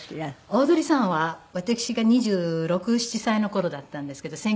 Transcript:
オードリーさんは私が２６２７歳の頃だったんですけど１９７１年。